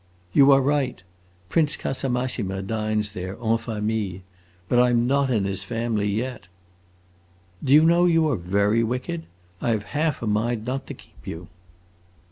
"You are right. Prince Casamassima dines there, en famille. But I 'm not in his family, yet!" "Do you know you are very wicked? I have half a mind not to keep you."